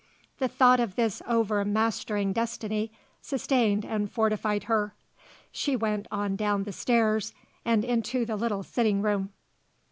The thought of this overmastering destiny sustained and fortified her. She went on down the stairs and into the little sitting room.